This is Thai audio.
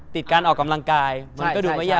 ติดการออกกำลังกายมันก็ดูไม่ยาก